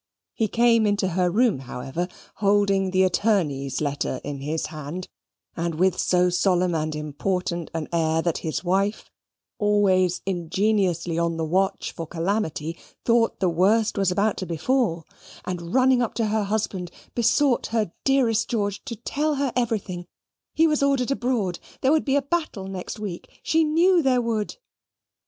He came into her room, however, holding the attorney's letter in his hand, and with so solemn and important an air that his wife, always ingeniously on the watch for calamity, thought the worst was about to befall, and running up to her husband, besought her dearest George to tell her everything he was ordered abroad; there would be a battle next week she knew there would.